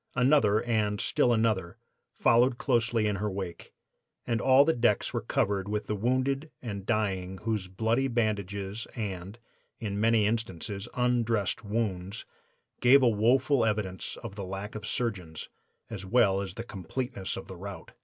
Another, and still another, followed closely in her wake, and all the decks were covered with the wounded and dying whose bloody bandages and, in many instances, undressed wounds gave woeful evidence of the lack of surgeons, as well as the completeness of the rout.